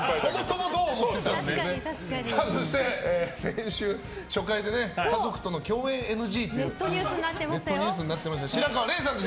そして、先週初回で家族との共演ＮＧとネットニュースになっていました白河れいさんです。